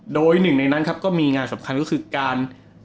โดยหนึ่งในนั้นครับก็มีงานสำคัญก็คือการ